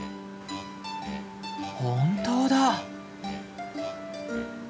本当だ。